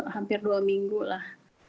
hampir dua minggu lah